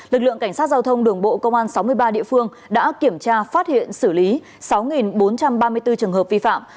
lực lượng cảnh sát giao thông đường bộ công an sáu mươi ba địa phương đã kiểm tra phát hiện xử lý sáu bốn trăm ba mươi bốn trường hợp vi phạm